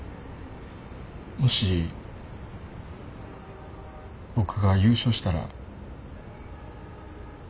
もし僕が優勝したら。